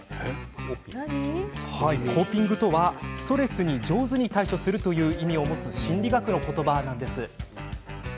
コーピングとはストレスに上手に対処するという意味を持つ心理学の言葉です。